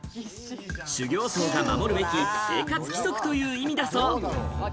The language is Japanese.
修行僧が守るべき生活規則という意味だそう。